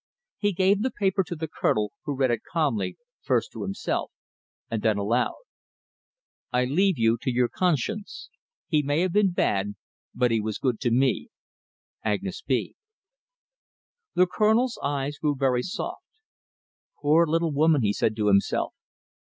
He gave the paper to the Colonel, who read it calmly, first to himself and then aloud. "I leave you to your conshens. He may have been bad, but he was good to me! "AGNES B." The Colonel's eyes grew very soft. "Poor little woman," he said to himself.